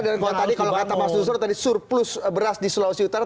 dan kalau tadi kalau kata mas sestron tadi surplus beras di sulawesi utara